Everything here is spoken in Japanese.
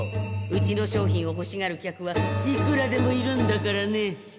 うちの商品をほしがる客はいくらでもいるんだからね。